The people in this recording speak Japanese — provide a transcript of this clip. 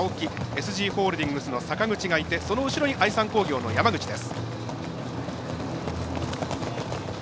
ＳＧホールディングスの阪口がいてその後ろに愛三工業の山口です。